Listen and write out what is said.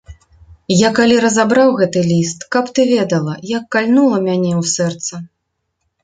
Я калі разабраў гэты ліст, каб ты ведала, як кальнула мяне ў сэрца.